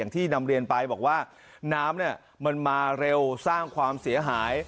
ที่นำเรียนไปบอกว่าน้ำมันมาเร็วสร้างความเสียหาย